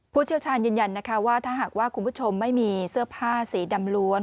เชี่ยวชาญยืนยันนะคะว่าถ้าหากว่าคุณผู้ชมไม่มีเสื้อผ้าสีดำล้วน